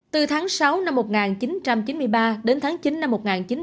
từ tháng sáu năm một nghìn chín trăm chín mươi ba đến tháng chín năm một nghìn chín trăm chín mươi